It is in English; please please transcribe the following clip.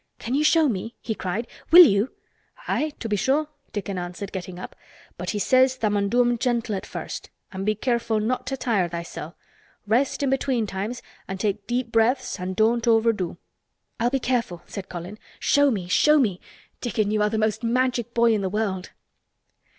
"Can you show me?" he cried. "Will you?" "Aye, to be sure," Dickon answered, getting up. "But he says tha' mun do 'em gentle at first an' be careful not to tire thysel'. Rest in between times an' take deep breaths an' don't overdo." "I'll be careful," said Colin. "Show me! Show me! Dickon, you are the most Magic boy in the world!"